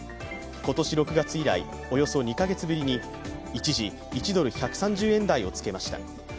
今年６月以来、およそ２カ月ぶりに一時、１ドル＝１３０円台をつけました。